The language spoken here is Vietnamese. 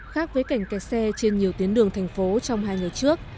khác với cảnh kẹt xe trên nhiều tuyến đường thành phố trong hai ngày trước